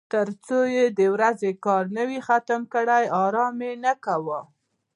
تر څو یې د ورځې کار نه وای ختم کړی ارام یې نه کاوه.